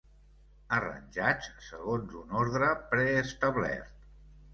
Arranjats segons un ordre preestablert.